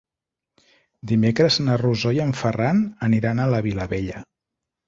Dimecres na Rosó i en Ferran aniran a la Vilavella.